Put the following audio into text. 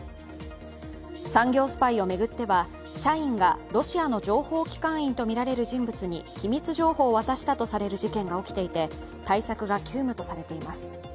産業スパイを巡っては、社員がロシアの情報機関員とみられる人物に機密情報を渡したとされる事件が起きていて対策が急務とされています。